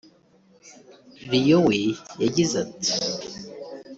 Lion we yagize ati